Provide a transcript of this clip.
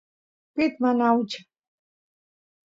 pit mana aucha